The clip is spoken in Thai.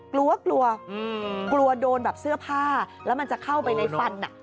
กลัวกลัวกลัวโดนแบบเสื้อผ้าแล้วมันจะเข้าไปในฟัน